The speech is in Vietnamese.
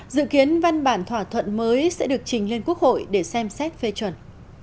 dự kiến văn bản thỏa thuận mới sẽ được trình lên quốc hội để xem xét phê chuẩn